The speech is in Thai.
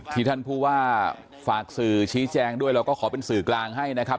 ท่านผู้ว่าฝากสื่อชี้แจงด้วยเราก็ขอเป็นสื่อกลางให้นะครับ